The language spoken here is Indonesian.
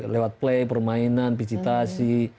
lewat play permainan visitasi